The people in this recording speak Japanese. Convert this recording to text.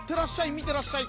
みてらっしゃい。